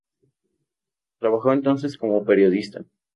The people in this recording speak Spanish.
Trabajó entonces como periodista.